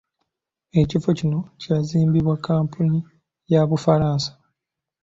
Ekifo kino kyazimbibwa kkampuni ya Bufalansa.